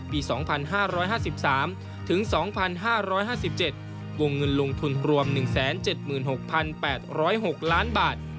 ปี๒๕๕๓๒๕๕๗วงเงินลงทุนรวม๑๗๖๘๐๖ล้านบาท